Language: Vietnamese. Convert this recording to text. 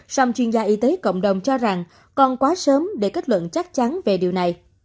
song chuyên gia y tế cộng đồng cho rằng còn quá sớm để kết luận chắc chắn về điều này